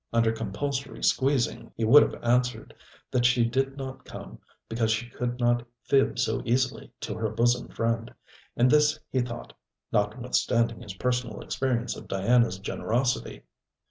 Under compulsory squeezing, he would have answered, that she did not come because she could not fib so easily to her bosom friend: and this he thought, notwithstanding his personal experience of Diana's generosity.